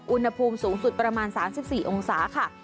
อุณหภูมิสูงสุดประมาณ๓๔องศาค่ะ